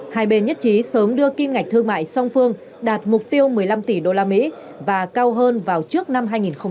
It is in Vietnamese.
hai bên nhất trí sớm đưa kim ngạch thương mại song phương đạt mục tiêu một mươi năm tỷ usd và cao hơn vào trước năm hai nghìn hai mươi